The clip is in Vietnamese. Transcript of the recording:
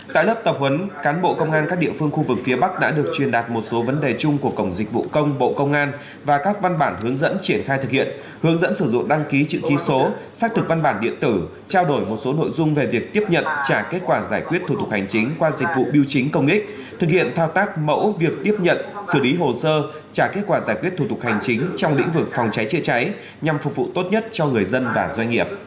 tại lớp tập huấn cán bộ công an các địa phương khu vực phía bắc đã được truyền đạt một số vấn đề chung của cổng dịch vụ công bộ công an và các văn bản hướng dẫn triển khai thực hiện hướng dẫn sử dụng đăng ký chữ ký số xác thực văn bản điện tử trao đổi một số nội dung về việc tiếp nhận trả kết quả giải quyết thủ tục hành chính qua dịch vụ biêu chính công ích thực hiện thao tác mẫu việc tiếp nhận xử lý hồ sơ trả kết quả giải quyết thủ tục hành chính trong lĩnh vực phòng cháy trễ cháy nhằm phục vụ tốt nhất cho